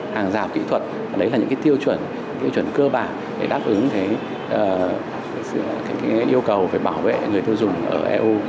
hàng rào kỹ thuật đấy là những tiêu chuẩn cơ bản để đáp ứng yêu cầu phải bảo vệ người tiêu dùng ở eu